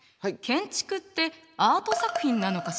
建築ってアート作品なのかしら？